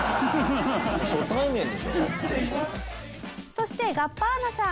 そしてガッバーナさん。